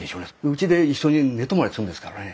うちで一緒に寝泊まりするんですからね。